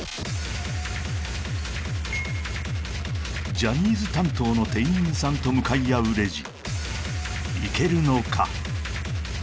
ジャニーズ担当の店員さんと向かい合うレジいけるのか？